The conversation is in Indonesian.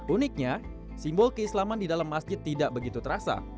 uniknya simbol keislaman di dalam masjid tidak begitu terasa